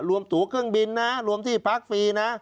รวมตัวเครื่องบินนะรวมที่พักฟรีนะ